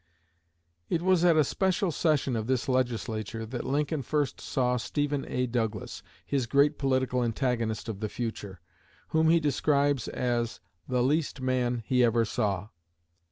It was at a special session of this Legislature that Lincoln first saw Stephen A. Douglas, his great political antagonist of the future, whom he describes as "the least man" he ever saw.